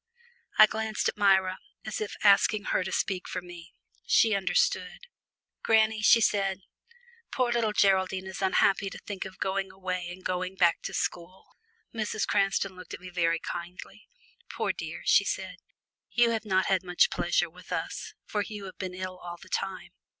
I glanced at Myra, as if asking her to speak for me. She understood. "Granny," she said, "poor little Geraldine is unhappy to think of going away and going back to school." Mrs. Cranston looked at me very kindly. "Poor dear," she said, "you have not had much pleasure with us, as you have been ill all the time."